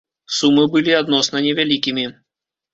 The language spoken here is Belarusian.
Сумы былі адносна невялікімі.